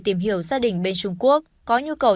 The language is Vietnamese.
tìm hiểu gia đình bên trung quốc có nhu cầu